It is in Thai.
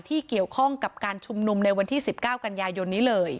ที่เกี่ยวข้องกับการชุมนุมในวันที่๑๙กันยายนนี้เลย